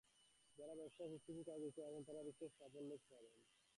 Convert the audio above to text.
যাঁরা ব্যবসা এবং সৃষ্টিশীল কাজে যুক্ত আছেন, তাঁরা বিশেষ সাফল্য পাবেন।